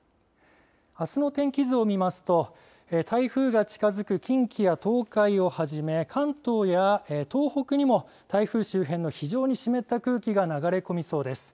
あすの天気図を見ますと、台風が近づく近畿や東海をはじめ、関東や東北にも、台風周辺の非常に湿った空気が流れ込みそうです。